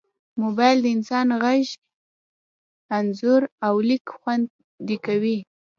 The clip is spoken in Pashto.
موبایل د انسان غږ، انځور، او لیک خوندي کوي.